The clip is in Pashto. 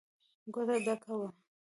کوټه ډکه وه.